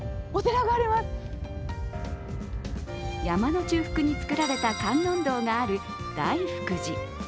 山の中腹に造られた観音堂がある大福寺。